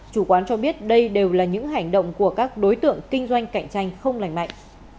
chủ quán cho biết đây đều là những hành động của các đối tượng kinh doanh cạnh tranh không lành mạnh